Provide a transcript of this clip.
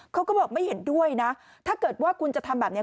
เขาก็บอกไม่เห็นด้วยนะถ้าเกิดว่าคุณจะทำแบบนี้